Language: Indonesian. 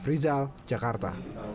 f rizal jakarta